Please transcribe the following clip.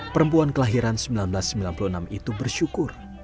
perempuan kelahiran seribu sembilan ratus sembilan puluh enam itu bersyukur